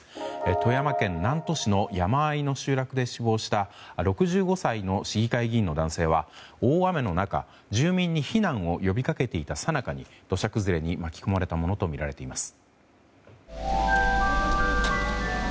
富山県南砺市の山あいの集落で死亡した６５歳の市議会議員の男性は大雨の中住民に避難を呼びかけていたさなかに土砂崩れに巻き込まれたものとみられています。